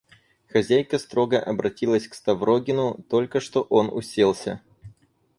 Хозяйка строго обратилась к Ставрогину, только что он уселся.